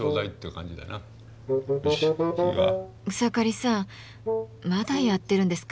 草刈さんまだやってるんですか？